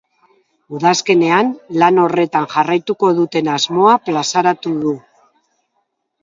Udazkenean lan horretan jarraituko duten asmoa plazaratu du.